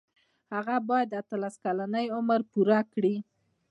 هغه باید د اتلس کلنۍ عمر پوره کړي.